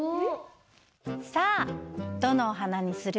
さあどのお花にする？